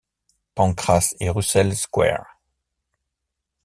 Pancras et Russell Square.